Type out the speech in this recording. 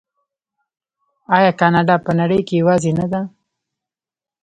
آیا کاناډا په نړۍ کې یوازې نه ده؟